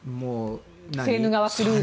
セーヌ川クルーズ。